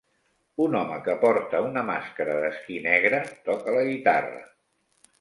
Un home que porta una màscara d'esquí negre toca la guitarra.